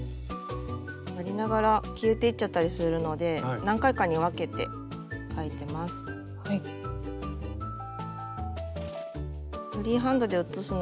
やりながら消えていっちゃったりするので何回かに分けて描いてます。